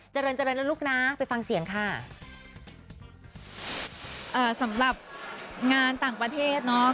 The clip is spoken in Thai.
เจริญเจริญแล้วลูกนะไปฟังเสียงค่ะเอ่อสำหรับงานต่างประเทศเนอะ